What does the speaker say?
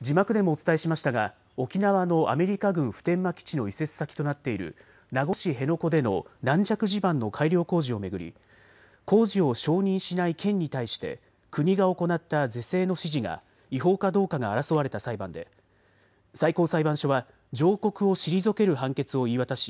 字幕でもお伝えしましたが沖縄のアメリカ軍普天間基地の移設先となっている名護市辺野古での軟弱地盤の改良工事を巡り工事を承認しない県に対して国が行った是正の指示が違法かどうかが争われた裁判で最高裁判所は上告を退ける判決を言い渡し